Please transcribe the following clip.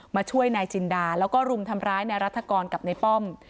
มาช่วยนายจินดาแล้วก็รุมทำร้ายนายรัฐกรกับนายป้อม